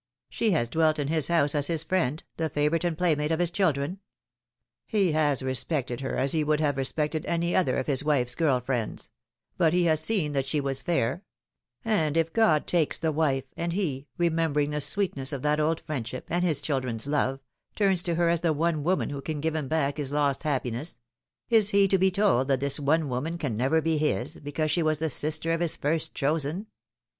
She has dwelt in his house as his friend, the favourite and play mate of his children. He has respected her as he would have respected any other of 'his wife's girl friends ; but he has seen that she was fair ; and if God takes the wife, and he, remember ing the sweetness of that old friendship, and his children's love, turns to her as the one woman who can give him back his lost happiness is he to be told that this one woman can never be his, because she was the sister of his first chosen